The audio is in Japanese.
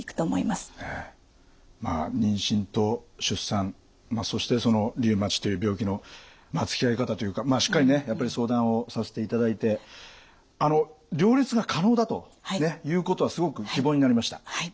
まあ妊娠と出産そしてそのリウマチという病気のつきあい方というかしっかりねやっぱり相談をさせていただいて両立が可能だということはすごく希望になりました。